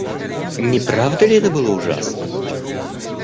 Не правда ли, это было ужасно?